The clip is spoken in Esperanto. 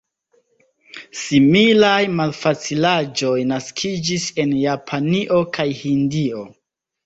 Similaj malfacilaĵoj naskiĝis en Japanio kaj Hindio.